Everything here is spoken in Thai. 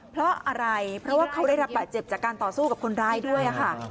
เพราะอะไรเพราะว่าเขาได้รับบาดเจ็บจากการต่อสู้กับคนร้ายด้วยค่ะ